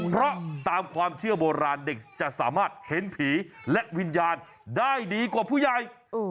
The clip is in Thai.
เพราะตามความเชื่อโบราณเด็กจะสามารถเห็นผีและวิญญาณได้ดีกว่าผู้ใหญ่